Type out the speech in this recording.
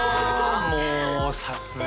もうさすが。